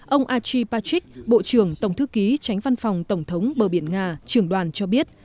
ông ati patrick bộ trưởng tổng thư ký tránh văn phòng tổng thống bờ biển nga trưởng đoàn cho biết